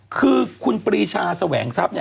คือคุณปรีชาแสวงทรัพย์